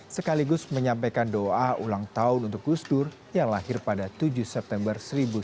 sekaligus menyampaikan doa ulang tahun untuk gusdur yang lahir pada tujuh september seribu sembilan ratus empat puluh